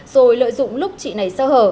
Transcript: rồi lợi dụng lúc chị này sơ hở